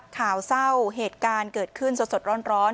ข่าวเศร้าเหตุการณ์เกิดขึ้นสดร้อน